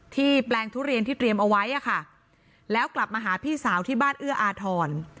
แปลงทุเรียนที่เตรียมเอาไว้อะค่ะแล้วกลับมาหาพี่สาวที่บ้านเอื้ออาทร